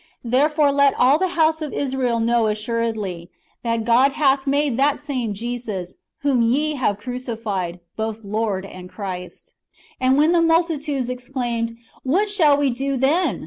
Therefore let all the house of Israel know assuredly, that God hath made that same Jesus, whom ye have crucified, both Lord and Christ."^ And when the multitudes ex claimed, "What shall we do then?"